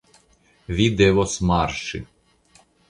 Vi devos marŝi.